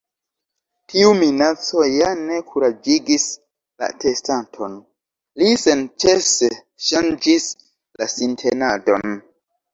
Tiu minaco ja ne kuraĝigis la atestanton. Li senĉese ŝanĝis la sintenadon.